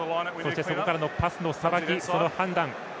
そこからのパスのさばき、判断。